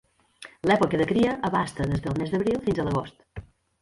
L'època de cria abasta des del mes d'abril fins a l'agost.